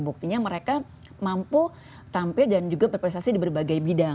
buktinya mereka mampu tampil dan juga berprestasi di berbagai bidang